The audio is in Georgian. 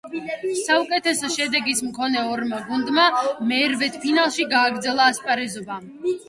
საუკეთესო შედეგის მქონე ორმა გუნდმა მერვედფინალში გააგრძელა ასპარეზობა.